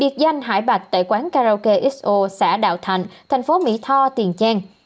tại quán karaoke xo xã đạo thạnh thành phố mỹ tho tiền giang